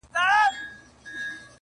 o شپه اوږده او سړه وي تل,